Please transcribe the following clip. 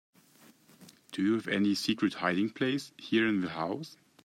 Do you have any secret hiding place here in the house?